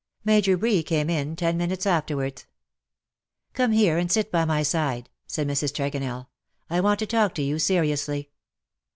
Major Bree came in ten minutes afterwards. " Come here, and sit by my side," said Mrs. Tregonell. " I want to talk to you seriously